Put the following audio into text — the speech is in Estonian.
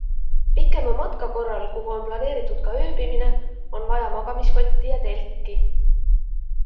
Pikema matka korral, kuhu on planeeritud ka ööbimine, on vaja magamiskotti ja telki.